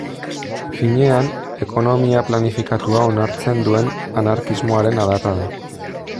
Finean, ekonomia planifikatua onartzen duen anarkismoaren adarra da.